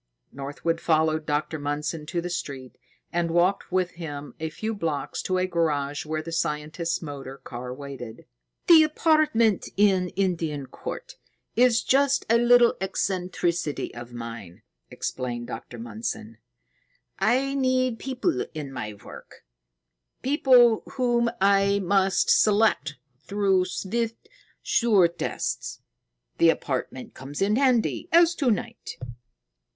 Northwood followed Dr. Mundson to the street and walked with him a few blocks to a garage where the scientist's motor car waited. "The apartment in Indian Court is just a little eccentricity of mine," explained Dr. Mundson. "I need people in my work, people whom I must select through swift, sure tests. The apartment comes in handy, as to night."